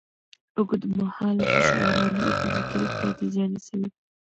اوږدمهاله فشار رواني او فزیکي روغتیا ته زیان رسوي.